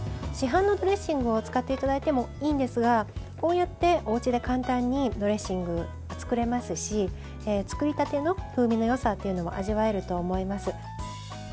市販のドレッシングを使っていただいてもいいんですがこうやって、おうちで簡単にドレッシングが作れますし作りたての風味のよさというのも味わえると思います。